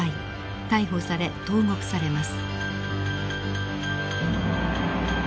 逮捕され投獄されます。